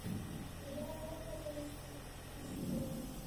په ډاډه زړه به په کې څرېدل.